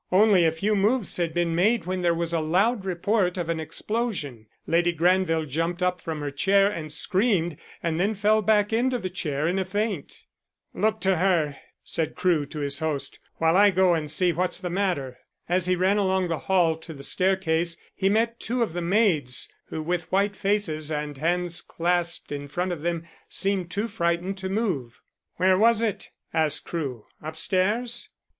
Only a few moves had been made when there was a loud report of an explosion. Lady Granville jumped up from her chair and screamed and then fell back into the chair in a faint. "Look to her," said Crewe to his host, "while I go and see what's the matter." As he ran along the hall to the staircase he met two of the maids, who with white faces and hands clasped in front of them seemed too frightened to move. "Where was it?" asked Crewe. "Upstairs?"